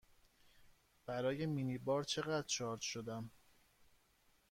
برای مینی بار چقدر شارژ شدم؟